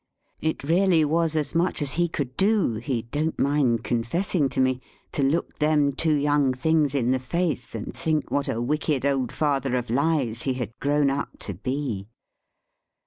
It really was as much as he could do, he don't mind confessing to me, to look them two young things in the face, and think what a wicked old father of lies he had grown up to be.